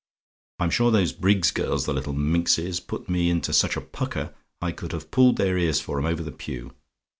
I'm sure those Briggs's girls the little minxes! put me into such a pucker, I could have pulled their ears for 'em over the pew.